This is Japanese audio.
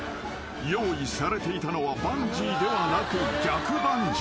用意されていたのはバンジーではなく］